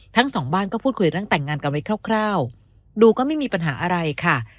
ทั้งสองบ้านก็พูดคุยเรื่องแต่งงานกันไว้คร่าวดูก็ไม่มีปัญหาอะไรค่ะ